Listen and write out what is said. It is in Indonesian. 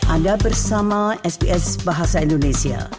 anda bersama sps bahasa indonesia